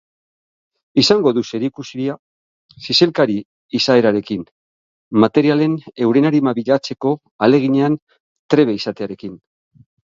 Izango du zerikusia zizelkari izaerarekin, materialen euren arima bilatzeko ahaleginean trebe izatearekin.